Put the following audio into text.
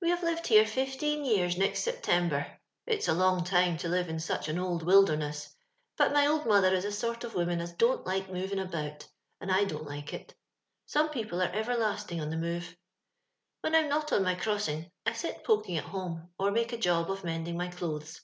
We have lived here fifteen years next Sen tember ; it's a long time to lire in such an old wilderness, but my old mother is a sort of woman as dont like movin' about, and I don't like it Some people are ereriasting on the move. AVhon rm not on my erossin' I sit poking at home, or make ajob of mending my clothes.